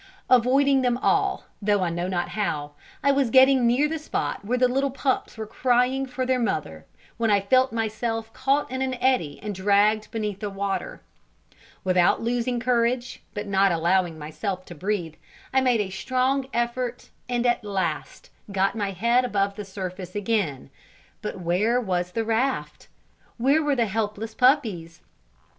Avoiding them all, though I know not how, I was getting near the spot where the little pups were crying for their mother, when I felt myself caught in an eddy and dragged beneath the water. Without losing courage, but not allowing myself to breathe, I made a strong effort, and at last, got my head above the surface again; but where was the raft? Where were the helpless puppies?